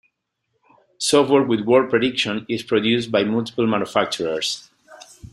Software with word prediction is produced by multiple manufacturers.